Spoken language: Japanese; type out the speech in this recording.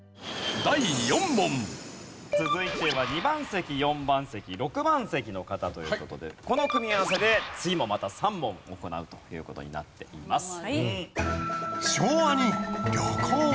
続いては２番席４番席６番席の方という事でこの組み合わせで次もまた３問行うという事になっています。